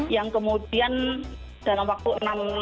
yang kemudian dalam waktu enam bulan